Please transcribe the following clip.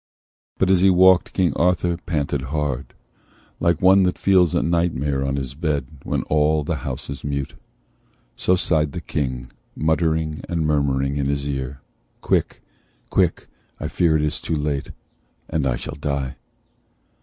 But, as he walked, King Arthur panted hard, Like one that feels a nightmare on his bed When all the house is mute. So sighed the King, Muttering and murmuring at his ear, "Quick, quick! I fear it is too late, and I shall die."